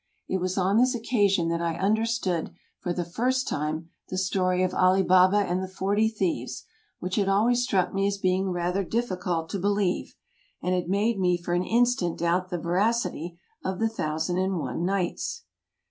It was on this occasion that I understood for the first time the story of '' Ali Baba and the Forty Thieves," which had always struck me as being rather diffi cult to believe, and had made me for an instant doubt the veracity of the " Thousand and One Nights."